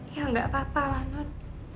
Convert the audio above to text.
ya nggak apa apa lah non